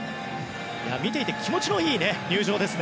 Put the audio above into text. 見ていて気持ちのいい入場です。